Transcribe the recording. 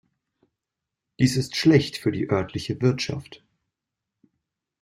Dies ist schlecht für die örtliche Wirtschaft.